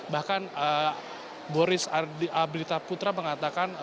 bahkan boris abritaputra mengatakan